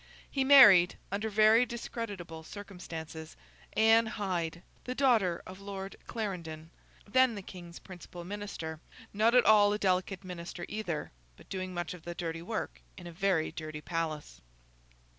He married, under very discreditable circumstances, Anne Hyde, the daughter of Lord Clarendon, then the King's principal Minister—not at all a delicate minister either, but doing much of the dirty work of a very dirty palace.